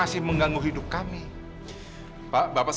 satu dua tiga ups